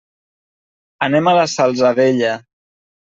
Anem a la Salzadella.